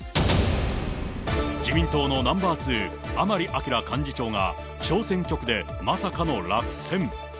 自民党のナンバー２、甘利明幹事長が、小選挙区でまさかの落選。